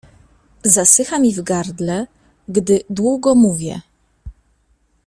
"Zasycha mi w gardle, gdy długo mówię“."